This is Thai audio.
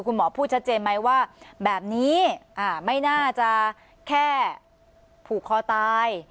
คุณหมอพูดชัดเจนไหมว่าแบบนี้ไม่น่าจะแค่ผูกคอตาย